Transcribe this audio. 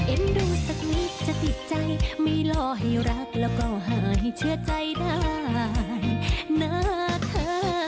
ดูสักนิดจะติดใจไม่รอให้รักแล้วก็หายเชื่อใจได้นะเธอ